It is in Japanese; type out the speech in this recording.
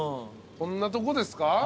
こんなとこですか？